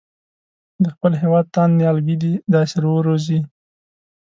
د خپل هېواد تاند نیالګي دې داسې وروزي.